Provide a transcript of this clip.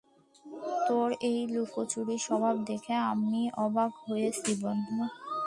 তোর এই লুকোচুরি স্বভাব দেখে আমি অবাক হয়েছি, বন্ধু।